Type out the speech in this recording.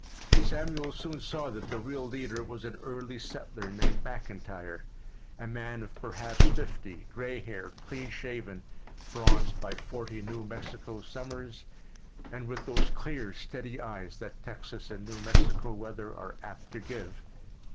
Samuel soon saw that the real leader was an early settler named McIntyre, a man of perhaps fifty, gray haired, clean shaven, bronzed by forty New Mexico summers, and with those clear steady eye that Texas and New Mexico weather are apt to give.